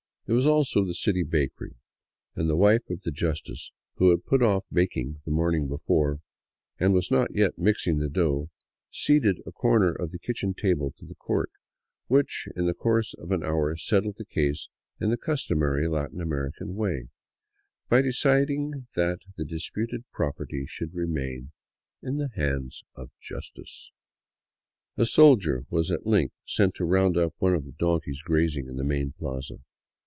It was also the city bakery, and the wife of the justice, who had put off baking the morning before, and was not yet mixing the dough, ceded a corner of the kitchen table to the court, which in the course of an hour settled the case in the customary Latin American way — by deciding that the disputed property should remain " in the hands of justice." A soldier was at length sent to round up one of the donkeys grazing in the main plaza.